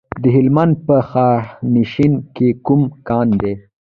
د هلمند په خانشین کې کوم کان دی؟